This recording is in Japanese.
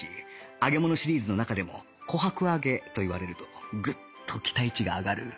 揚げ物シリーズの中でも「琥珀揚げ」と言われるとグッと期待値が上がる